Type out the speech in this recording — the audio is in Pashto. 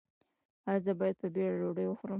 ایا زه باید په بیړه ډوډۍ وخورم؟